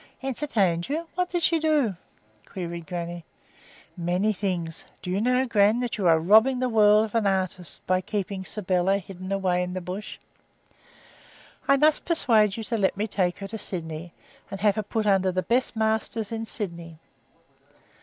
"Entertained you I What did she do?" queried grannie. "Many things. Do you know, gran, that you are robbing the world of an artist by keeping Sybylla hidden away in the bush? I must persuade you to let me take her to Sydney and have her put under the best masters in Sydney."